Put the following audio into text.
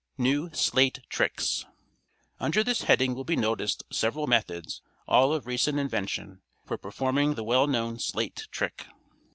New Slate Tricks.—Under this heading will be noticed several methods, all of recent invention, for performing the well known slate trick.